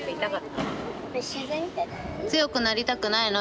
つよくなりたくないの？